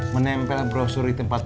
menempel brosuri tempat